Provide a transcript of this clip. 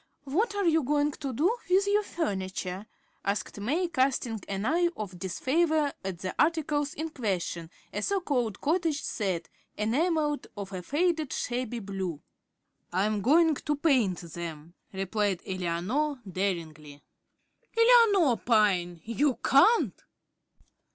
"What are you going to do with your furniture?" asked May, casting an eye of disfavor at the articles in question, a so called "cottage" set, enamelled, of a faded, shabby blue. "I am going to paint them," replied Eleanor, daringly. "Eleanor Pyne! you can't!"